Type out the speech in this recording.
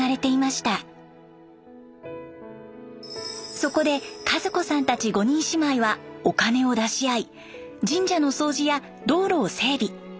そこで和子さんたち５人姉妹はお金を出し合い神社の掃除や道路を整備。